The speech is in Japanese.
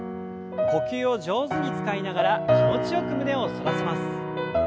呼吸を上手に使いながら気持ちよく胸を反らせます。